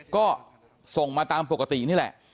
ก็ส่งมาตามปกตินี่แหละ